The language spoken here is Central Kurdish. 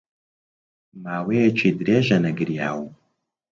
ماوەیەکی درێژە نەگریاوم.